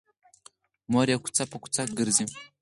مور یې کوڅه په کوڅه ګرځي